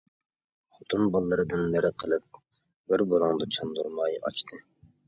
خوتۇن-بالىلىرىدىن نېرى قىلىپ، بىر بۇلۇڭدا چاندۇرماي ئاچتى.